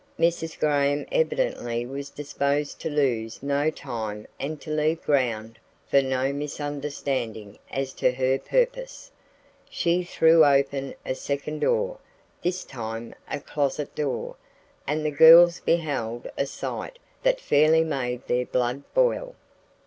Mrs. Graham evidently was disposed to lose no time and to leave ground for no misunderstanding as to her purpose. She threw open a second door, this time a closet door, and the girls beheld a sight that fairly made their blood boil.